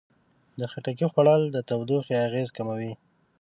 د خټکي خوړل د تودوخې اغېزې کموي.